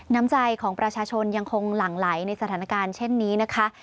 น้ำใจของประชาชนยังคงหลั่งไหลในสถานการณ์เช่นนี้นะคะ